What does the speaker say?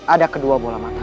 ada kedua bola mata